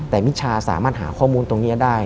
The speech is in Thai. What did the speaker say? แต่มิชาสามารถหาข้อมูลตรงนี้ได้